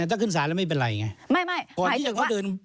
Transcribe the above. ถ้าขึ้นศาลแล้วไม่เป็นไรไง